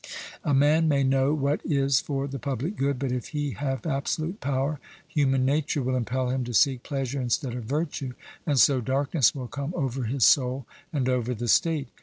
A man may know what is for the public good, but if he have absolute power, human nature will impel him to seek pleasure instead of virtue, and so darkness will come over his soul and over the state.